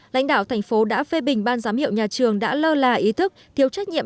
lãnh đạo tp hải phòng đã phê bình ban giám hiệu nhà trường đã lơ là ý thức thiếu trách nhiệm